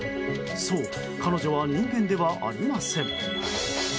そう、彼女は人間ではありません。